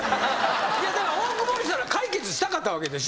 いやだから大久保にしたら解決したかったわけでしょ？